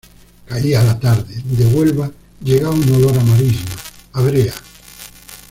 Caía la tarde. De Huelva llegaba un olor a marisma, a brea.